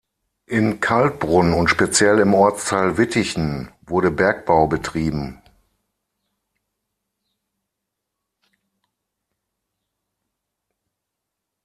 In Kaltbrunn und speziell im Ortsteil Wittichen wurde Bergbau betrieben.